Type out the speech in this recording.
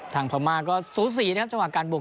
ทางพรมากก็สูตรสี่นะครับจังหวะการบุก